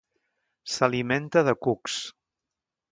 S'alimenta de cucs.